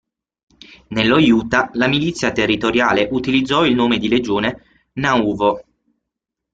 Nello Utah la milizia territoriale utilizzò il nome di legione Nauvoo.